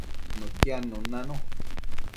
Mëquiadnun nanu